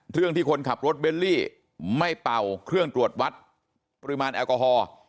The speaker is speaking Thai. เรื่องที่คนขับรถเบลลี่ไม่เป่าเครื่องตรวจวัดปริมาณแอลกอฮอล์